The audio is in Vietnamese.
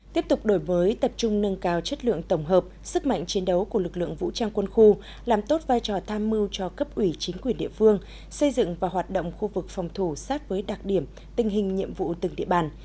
tiếp tục đổi mới tập trung nâng cao chất lượng tổng hợp sức mạnh chiến đấu của lực lượng vũ trang quân khu làm tốt vai trò tham mưu cho cấp ủy chính quyền địa phương xây dựng và hoạt động khu vực phòng thủ sát với đặc điểm tình hình nhiệm vụ từng địa bàn